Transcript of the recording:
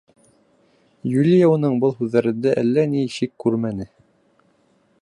Юлия уның был һүҙҙәрендә әллә ни шик күрмәне: